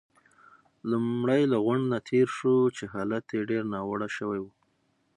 لومړی له غونډ نه تېر شوو، چې حالت يې ډېر ناوړه شوی وو.